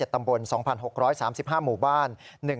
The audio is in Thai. ตำบล๒๖๓๕หมู่บ้าน